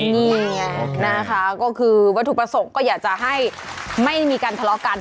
นี่ไงนะคะก็คือวัตถุประสงค์ก็อยากจะให้ไม่มีการทะเลาะกัน